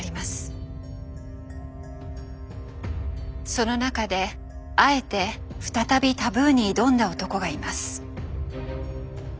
その中であえて再びタブーに挑んだ男がいます。